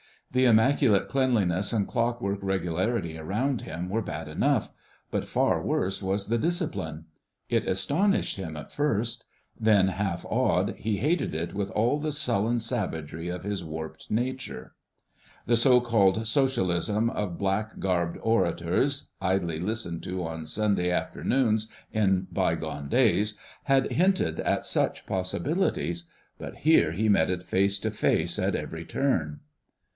The immaculate cleanliness and clock work regularity around him were bad enough, but far worse was the discipline. It astonished him at first; then, half awed, he hated it with all the sullen savagery of his warped nature. The so called Socialism of black garbed orators, idly listened to on Sunday afternoons in bygone days, had hinted at such possibilities—but here he met it face to face at every turn.